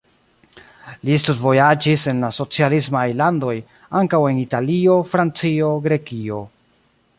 Li studvojaĝis en la socialismaj landoj, ankaŭ en Italio, Francio, Grekio.